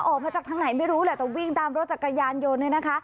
ออกมาจากทางไหนไม่รู้แหละแต่วิ่งตามรถจักรยานยนต์เนี่ยนะคะ